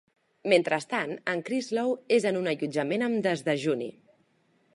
Mentrestant, en Chris Lowe és en un allotjament amb desdejuni.